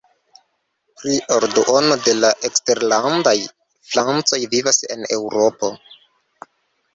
Pli ol duono de la eksterlandaj francoj vivas en Eŭropo.